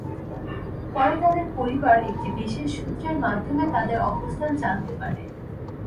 পরে তাদের পরিবার একটি বিশেষ সূত্রের মাধ্যমে তাদের অবস্থান জানতে পারে।